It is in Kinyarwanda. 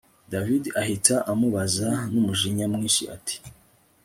david ahita amubaza numujinya mwinshi ati